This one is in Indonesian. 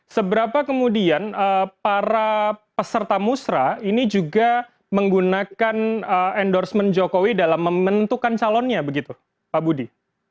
seberapa kemudian para peserta musrah ini juga menggunakan endorsement jokowi dalam menentukan calonnya begitu pak budi